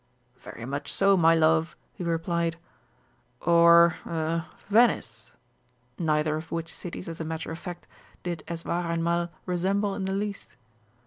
"Very much so, my love," he replied, "or er Venice" (neither of which cities, as a matter of fact, did Eswareinmal resemble in the least).